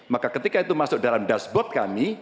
maka ketika itu masuk dalam dashboard kami